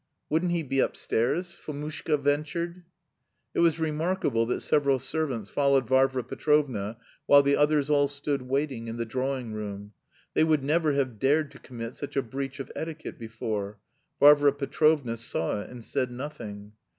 "Wouldn't he be upstairs?" Fomushka ventured. It was remarkable that several servants followed Varvara Petrovna while the others all stood waiting in the drawing room. They would never have dared to commit such a breach of etiquette before. Varvara Petrovna saw it and said nothing.